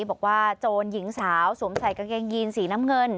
บอกว่าโจรหญิงสาวสวมใส่กางเกงยีนสีน้ำเงิน